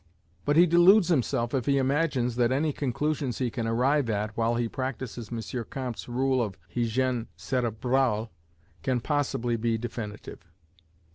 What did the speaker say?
But he deludes himself if he imagines that any conclusions he can arrive at, while he practises M. Comte's rule of hygiène cérébrale, can possibly be definitive.